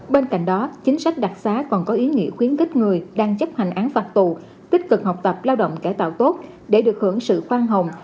bên cạnh đó chính sách đặc xá còn có ý nghĩa khuyến khích người đang chấp hành án phạt tù tích cực học tập lao động cải tạo tốt để được hưởng sự khoan hồng